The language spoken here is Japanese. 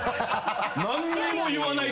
何にも言わないから。